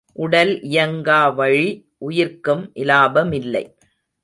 உடல் இயங்காவழி உயிர்க்கும் இலாபமில்லை.